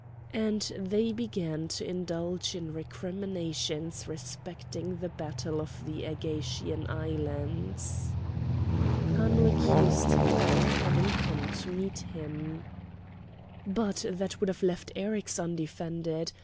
And they began to indulge in recriminations respecting the battle of the Ægatian islands. Hanno accused him of not having come to meet him. "But that would have left Eryx undefended.